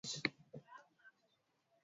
Zaidi sana wapendwa vijana mkumbuke kuwa Watu